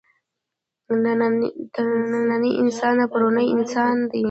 نننی انسان پروني انسان دی.